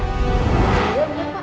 iya bener pak